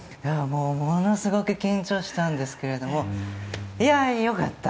ものすごく緊張したんですけれどもいや、良かった！